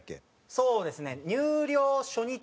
そうですね。